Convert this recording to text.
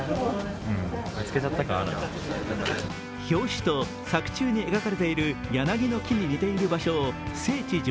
表紙と作中に描かれている柳の木に似ている場所を聖地